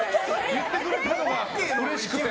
言ってくれたのがうれしくて。